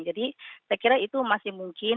jadi saya kira itu masih mungkin